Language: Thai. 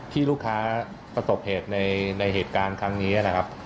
ที่ลูกค้าประสบเหตุในเหตุการณ์ครั้งนี้นะครับ